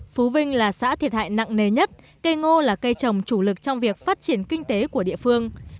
phú vinh là xã thiệt hại nặng nề nhất cây ngô là cây trồng chủ lực trong việc phát triển kinh tế của địa phương